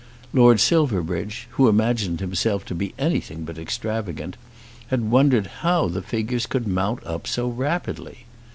Lord Silverbridge, who imagined himself to be anything but extravagant, had wondered how the figures could mount up so rapidly.